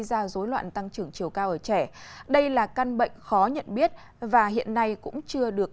ra dối loạn tăng trưởng chiều cao ở trẻ đây là căn bệnh khó nhận biết và hiện nay cũng chưa được